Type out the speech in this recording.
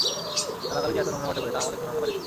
গালাগালি যে এত নোংরা হতে পারে তা আমার ধারণার বাইরে ছিল।